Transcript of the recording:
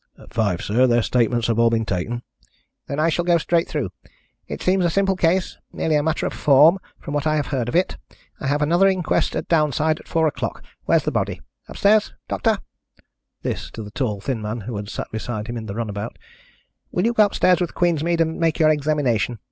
"Five, sir. Their statements have all been taken." "Then I shall go straight through it seems a simple case merely a matter of form, from what I have heard of it. I have another inquest at Downside at four o'clock. Where's the body? Upstairs? Doctor" this to the tall thin man who had sat beside him in the run about "will you go upstairs with Queensmead and make your examination?